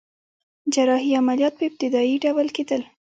جراحي عملیات په ابتدایی ډول کیدل